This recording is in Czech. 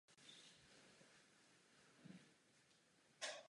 Později získal Zlatou medaili za chrabrost v boji.